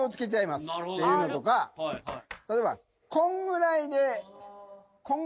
例えば。